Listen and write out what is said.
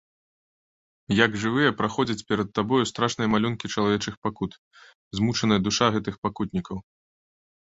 Як жывыя, праходзяць перад табою страшныя малюнкі чалавечых пакут, змучаная душа гэтых пакутнікаў.